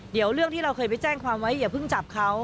เดี๋ยวเรื่องที่เราเคยไปแจ้งความไว้อย่าเพิ่งจับเขา